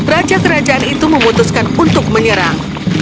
raja kerajaan itu memutuskan untuk menyerang